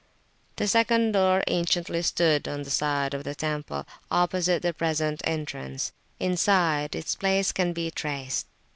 The second door anciently stood on the side of the temple opposite the present entrance; inside, its place can still be traced.